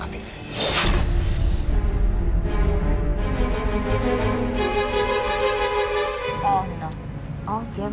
pantes aja kak fanny